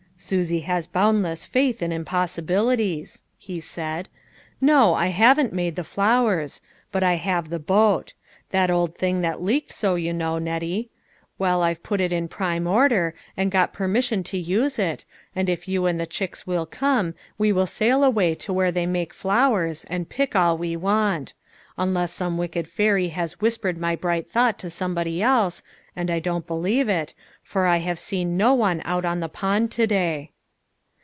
" Susie has boundless faith in impossibilities," he said. " No, I haven't made the flowers, but I have the boat. That old thing that leaked so, you know, Nettie; well, I've put it in prime order, and got permission to use it, and if you and the chicks will come, we will sail away to where they make flowers, and pick all we want ; unless some wicked fairy has whispered my bright thought to somebody else, and I don't believe it, for I have seen no one out on the pond to day."